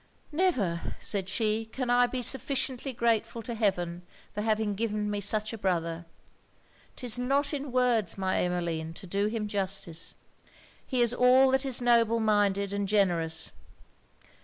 'Never,' said she, 'can I be sufficiently grateful to heaven for having given me such a brother. 'Tis not in words, my Emmeline, to do him justice! He is all that is noble minded and generous.